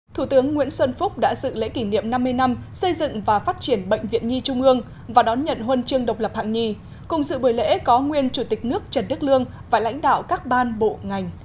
thủ tướng nguyễn xuân phúc đã dự lễ kỷ niệm năm mươi năm xây dựng và phát triển bệnh viện nhi trung ương và đón nhận huân chương độc lập hạng nhì cùng sự buổi lễ có nguyên chủ tịch nước trần đức lương và lãnh đạo các ban bộ ngành